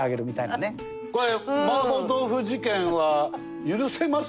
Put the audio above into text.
これ麻婆豆腐事件は許せます？